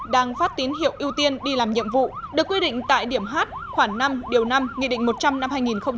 đang phát tín hiệu ưu tiên đi làm nhiệm vụ được quy định tại điểm h khoảng năm điều năm nghị định một trăm linh năm hai nghìn một mươi chín